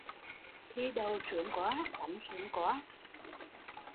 Thi đậu sướng quá, tắm sướng quá